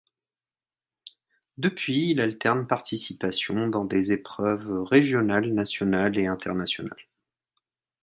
Depuis il alterne participations dans des épreuves régionales, nationales et internationales.